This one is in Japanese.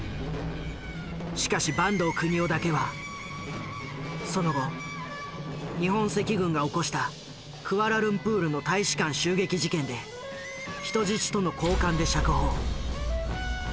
しかし坂東國男だけはその後日本赤軍が起こしたクアラルンプールの大使館襲撃事件で人質との交換で釈放。